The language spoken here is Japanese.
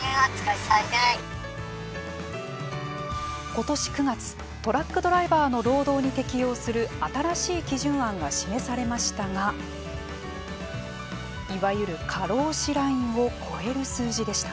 今年９月トラックドライバーの労働に適用する新しい基準案が示されましたがいわゆる過労死ラインを超える数字でした。